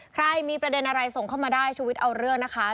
ใครมีประเด็นอะไรส่งเข้ามาได้ชุวิตเอาเรื่องนะคะ